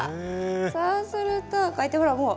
そうするとこうやってほらもう。